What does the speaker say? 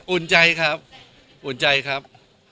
อุ่นใจครับอุ่นใจครับ